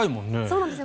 そうなんです。